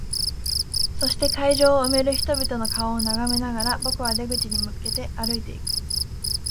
そして、会場を埋める人々の顔を眺めながら、僕は出口に向けて歩いていく。